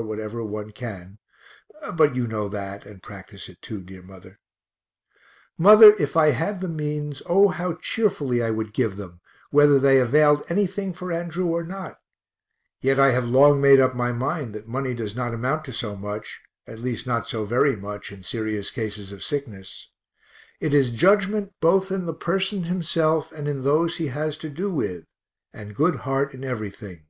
whatever one can but you know that, and practice it too, dear mother). Mother, if I had the means, O how cheerfully I would give them, whether they availed anything for Andrew or not yet I have long made up my mind that money does not amount to so much, at least not so very much, in serious cases of sickness; it is judgment both in the person himself, and in those he has to do with and good heart in everything.